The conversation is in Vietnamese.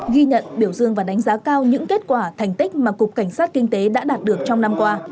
ghi nhận biểu dương và đánh giá cao những kết quả thành tích mà cục cảnh sát kinh tế đã đạt được trong năm qua